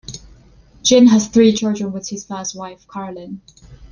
Jim has three children with his first wife, Carolyn.